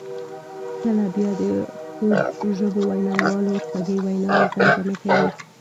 کله بیا د خوږ ژبو ویناوالو خوږې ویناوي زمزمه کوي.